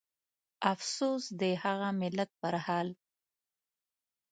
افسوس د هغه ملت پرحال